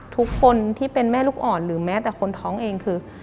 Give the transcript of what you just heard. ทุกคนที่เป็นแม่ลูกอ่อนหรือแม้แต่คนท้องเองคือ